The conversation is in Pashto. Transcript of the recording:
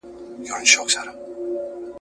بې ضرورته خوراک زیان لري.